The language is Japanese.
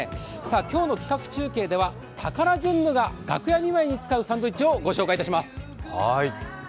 今日の企画中継ではタカラジェンヌが楽屋祝いに使うサンドイッチを御紹介します。